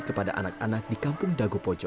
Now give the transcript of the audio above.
kepada anak anak di kampung wisata kreatif dagupojo